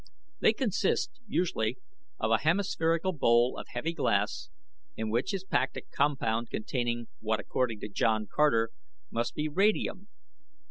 They consist, usually, of a hemispherical bowl of heavy glass in which is packed a compound containing what, according to John Carter, must be radium.